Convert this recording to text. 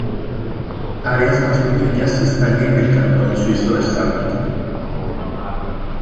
Áreas más pequeñas están en el cantón suizo de St.